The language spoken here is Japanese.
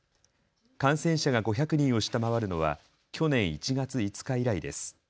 感染者が５００人を下回るのは去年１月５日以来です。